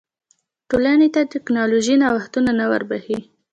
ټولنې ته ټکنالوژیکي نوښتونه نه وربښي.